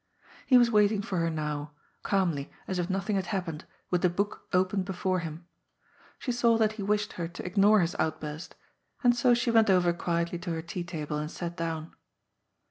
He wap waiting for her now, calmly, as if nothing had happened, with the book open before him. She saw that he wished her to ignore his outburst, and so she went over quietly to her tea table and sat down.